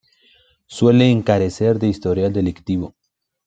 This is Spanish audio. Suelen carecer de historial delictivo.